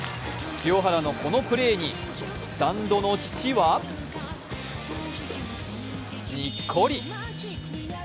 清原のこのプレーにスタンドの父はニッコリ。